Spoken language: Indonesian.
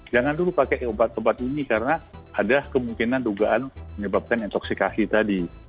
jangan dulu pakai obat obat ini karena ada kemungkinan dugaan menyebabkan intoksikasi tadi